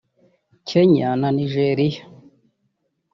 Kenya na Nigeria